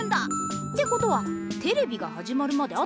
ってことはテレビがはじまるまであと３０分。